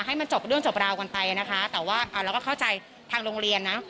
ให้มันจบเรื่องจบราวกันไปนะคะแต่ว่าเราก็เข้าใจทางโรงเรียนนะ